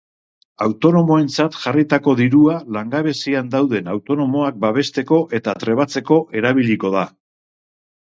Autonomoentzat jarritako dirua langabezian dauden autonomoak babesteko eta trebatzeko erabiliko da.